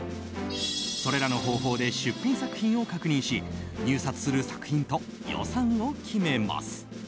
それらの方法で出品作品を確認し入札する作品と予算を決めます。